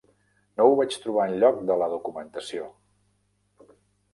No ho vaig trobar enlloc de la documentació.